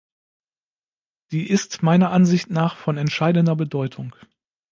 Die ist meiner Ansicht nach von entscheidender Bedeutung.